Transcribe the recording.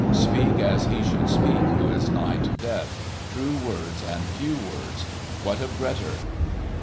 Speak as he should speak who is nigh to death, true words and few words. What of Grettir?"